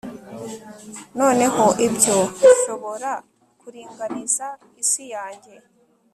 noneho ibyo bishobora kuringaniza isi yanjye